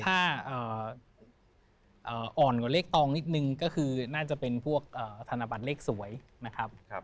ถ้าอ่อนกว่าเลขตองนิดนึงก็คือน่าจะเป็นพวกธนบัตรเลขสวยนะครับ